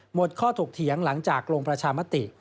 หมดข้อถกเถียงหลังจากลงประชามติ